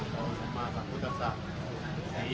ขอบคุณครับ